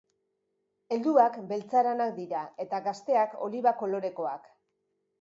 Helduak beltzaranak dira eta gazteak oliba kolorekoak.